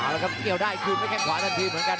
แล้วก็เกี่ยวได้คืนกับแค่ขวาทั้งทีเหมือนกัน